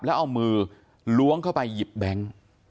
แล้วเอามือล้วงเข้าไปหยิบแบงค์